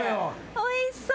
おいしそう。